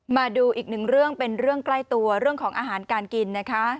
มาดูอีกหนึ่งเรื่องเป็นเรื่องใกล้ตัวเรื่องของอาหารการกินนะคะ